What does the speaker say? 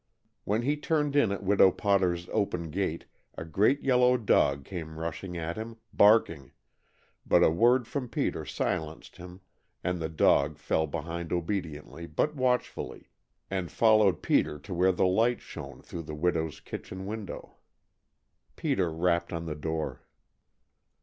When he turned in at Widow Potter's open gate a great yellow dog came rushing at him, barking, but a word from Peter silenced him and the dog fell behind obediently but watchfully, and followed Peter to where the light shone through the widow's kitchen window. Peter rapped on the door.